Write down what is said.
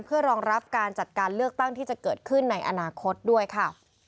เพื่อรองรับการจัดการเลือกตั้งที่จะเกิดขึ้นในอนาคตด้วยค่ะ